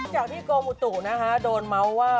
จากที่กรมอุตุนะคะโดนเมาส์ว่า